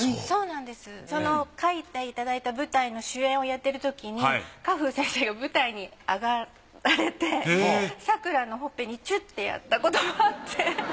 そうなんです書いていただいた舞台の主演をやってるときに荷風先生が舞台に上がられて桜のほっぺにチュってやったこともあって。